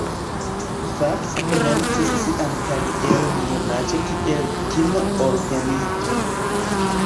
Fats komencis sian karieron junaĝe kiel kino-orgenisto.